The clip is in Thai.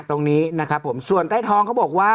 ตรงนี้นะครับผมส่วนใต้ท้องเขาบอกว่า